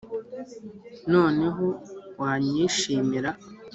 noneho wanyishimira